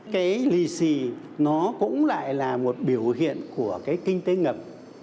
cái lì xì nó cũng lại là một biểu hiện của cái kinh tế ngầm